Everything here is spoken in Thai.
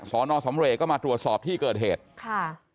สอนอสำเรกก็มาตรวจสอบที่เกิดเหตุค่ะ